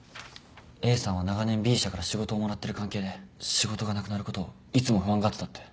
Ａさんは長年Ｂ社から仕事をもらってる関係で仕事がなくなることをいつも不安がってたって。